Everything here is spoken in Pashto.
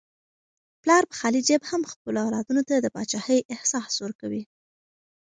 پلار په خالي جیب هم خپلو اولادونو ته د پاچاهۍ احساس ورکوي.